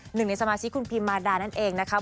หนึ่งในสมาชิกคุณพิมมาดานั่นเองนะคะ